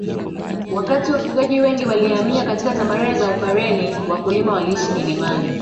Wakati wafugaji wengi walihamia katika tambarare za Upareni wakulima waliishi milimani